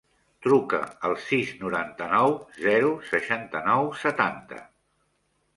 Truca al sis, noranta-nou, zero, seixanta-nou, setanta.